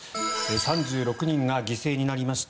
３６人が犠牲になりました